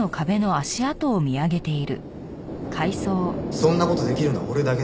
そんな事できるのは俺だけだ。